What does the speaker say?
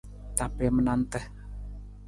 Tapiim nanta.